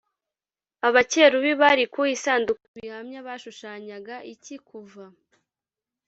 Abakerubi bari ku isanduku y ibihamya bashushanyaga iki Kuva